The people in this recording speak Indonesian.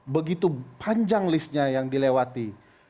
begitu panjang listnya yang dilewati